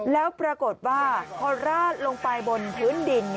แล้วปรากฏว่าพอราดลงไปบนพื้นดิน